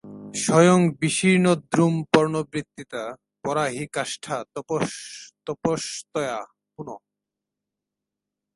– স্বয়ং বিশীর্ণদ্রুমপর্ণবৃত্তিতা পরা হি কাষ্ঠা তপসস্তয়া পুনঃ।